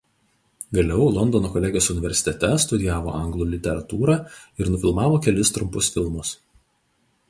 Vėliau Londono Kolegijos Universitete studijavo anglų literatūrą ir nufilmavo kelis trumpus filmus.